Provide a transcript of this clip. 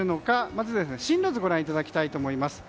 まずは進路図をご覧いただきたいと思います。